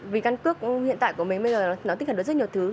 vì căn cước hiện tại của mình bây giờ nó tích hợp được rất nhiều thứ